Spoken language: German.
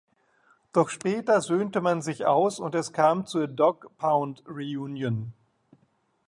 Doch später söhnte man sich aus und es kam zur Dogg Pound-Reunion.